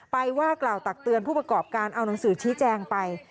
ว่ากล่าวตักเตือนผู้ประกอบการเอาหนังสือชี้แจงไป